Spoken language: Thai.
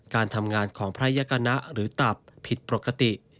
การทำงานของพระยกณะหรือตับผิดปกติ